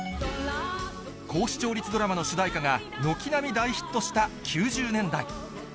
高視聴率ドラマの主題歌が、軒並み大ヒットした９０年代。